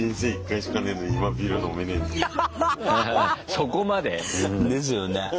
そこまで？ですよね。